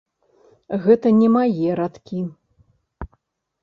Гэта не мае радкі.